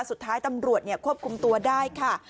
สุดท้ายตำรวจควบคุมตัวได้ค่ะ